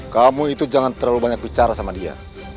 kamu itu jangan terlalu banyak bicara sama dia